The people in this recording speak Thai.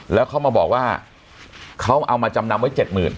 แล้วเขามาบอกว่าเขาเอามาจำนำไว้๗๐๐